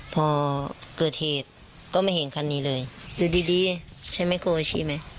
พอเกิดเหตุก็ไม่เห็นคันนี้เลยอยู่ดีดีใช่ไหมกลัวชีไหม